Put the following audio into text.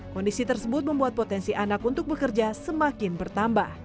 kondisi tersebut membuat potensi anak untuk bekerja semakin bertambah